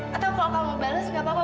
atau kalau kamu bales nggak apa apa